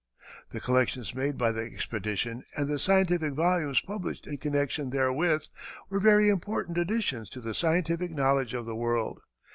The collections made by the expedition, and the scientific volumes published in connection therewith, were very important additions to the scientific knowledge of the world.